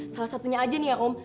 salah satunya aja nih ya om